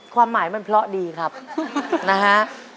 ความหมายมันเพราะดีครับนะฮะ